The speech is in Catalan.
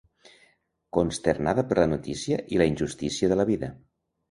Consternada per la notícia i la injustícia de la vida.